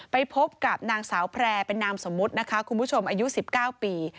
ไปพบกับนางสาวแพร่เป็นนามสมมุตินะคะคุณผู้ชมอายุ๑๙ปี